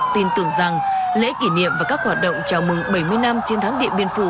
tin tưởng rằng lễ kỷ niệm và các hoạt động chào mừng bảy mươi năm chiến thắng điện biên phủ